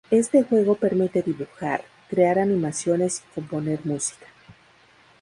Este juego permite dibujar, crear animaciones y componer música.